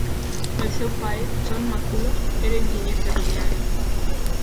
El seu pare, John McCulloch, era enginyer ferroviari.